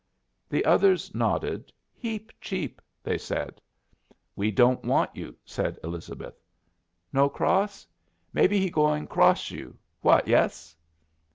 The others nodded. "Heap cheap," they said. "We don't want you," said Elizabeth. "No cross? Maybe he going cross you? What yes?"